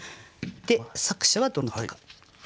で作者はどなたか。